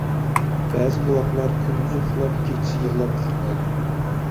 بەزى بوۋاقلار كۈندۈزى ئۇخلاپ، كېچىسى يىغلاپ ئۇخلىمايدۇ.